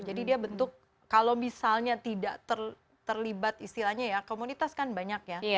jadi dia bentuk kalau misalnya tidak terlibat istilahnya ya komunitas kan banyak ya